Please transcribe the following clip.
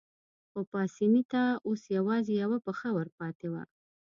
خو پاسیني ته اوس یوازې یوه پښه ورپاتې وه.